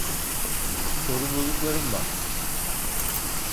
Sorumluluklarım var.